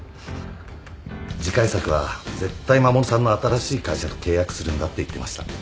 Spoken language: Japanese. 次回作は絶対衛さんの新しい会社と契約するんだって言ってました